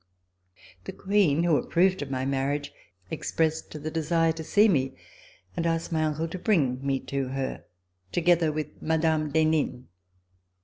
The Queen, who approved of my marriage, ex pressed the desire to see me and asked my uncle to bring me to her, together with Mme. d'Henin.